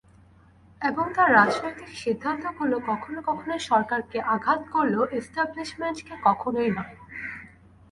এবং তাঁর রাজনৈতিক সিদ্ধান্তগুলো কখনো কখনো সরকারকে আঘাত করলেও এস্টাবলিশমেন্টকে কখনোই নয়।